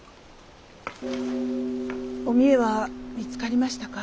お三枝は見つかりましたか？